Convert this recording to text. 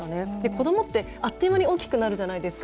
子どもってあっという間に大きくなるじゃないですか。